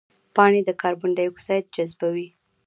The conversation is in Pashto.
پاڼې د کاربن ډای اکساید جذبوي